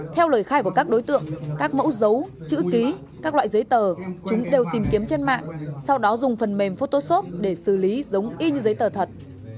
theo lời khai của các đối tượng các mẫu dấu chữ ký các loại giấy tờ chúng đều tìm kiếm trên mạng sau đó dùng phần mềm photoshop để xử lý giống in giấy tờ thật